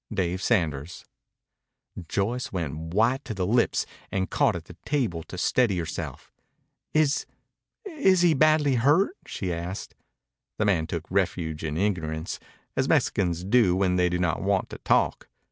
DAVE SANDERS Joyce went white to the lips and caught at the table to steady herself. "Is is he badly hurt?" she asked. The man took refuge in ignorance, as Mexicans do when they do not want to talk.